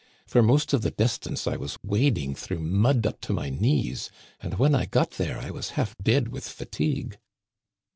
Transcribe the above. For most of the distance I was wading through mud up to my knees, and when I got there I was half dead with fatigue."